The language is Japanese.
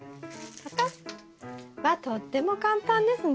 わっとっても簡単ですね。